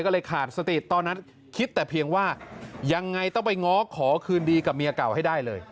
ก็เลยขาดสติตอนนั้นคิดแต่เพียงว่ายังไงต้องไปง้อขอคืนดีกับเมียเก่าให้ได้เลย